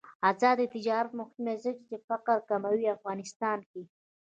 آزاد تجارت مهم دی ځکه چې فقر کموي افغانستان کې.